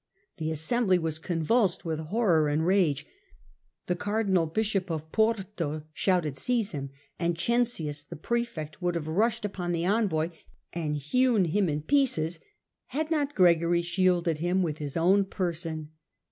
* The assembly was" convulsed with horror and rage. The cardinal bishop of Porto shouted, ^ Seize him !* and Oencius, the prefect, would have rushed upon the envoy and hewn him in pieces had not Gregory shielded him with his own person.